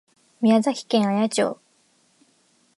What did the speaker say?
宮崎県綾町